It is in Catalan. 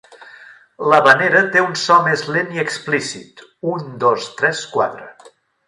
L'habanera té un so més lent i explícit, "un, dos, tres-quatre".